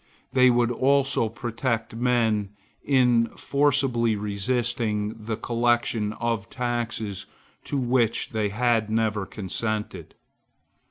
They would also protect men in forcibly resisting the collection of taxes to which they had never consented.